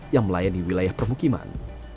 yang melayani wilayah permukiman